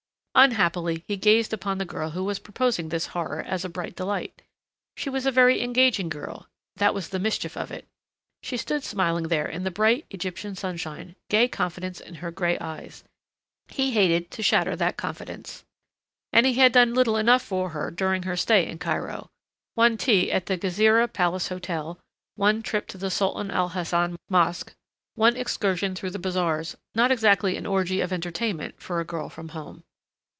Unhappily he gazed upon the girl who was proposing this horror as a bright delight. She was a very engaging girl that was the mischief of it. She stood smiling there in the bright, Egyptian sunshine, gay confidence in her gray eyes. He hated to shatter that confidence. And he had done little enough for her during her stay in Cairo. One tea at the Gezireh Palace Hotel, one trip to the Sultan al Hassan Mosque, one excursion through the bazaars not exactly an orgy of entertainment for a girl from home!